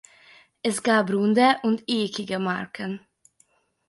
Es gab runde und eckige Marken.